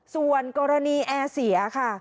ส่วนกรณีแอร์เสียค่ะ